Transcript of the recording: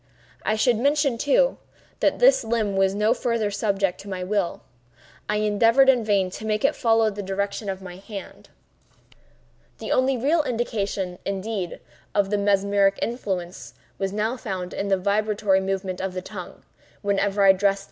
I should mention, too, that this limb was no farther subject to my will. I endeavored in vain to make it follow the direction of my hand. The only real indication, indeed, of the mesmeric influence, was now found in the vibratory movement of the tongue, whenever I addressed M.